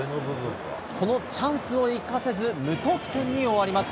このチャンスを生かせず、無得点に終わります。